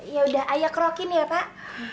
yaudah ayah kerokin ya pak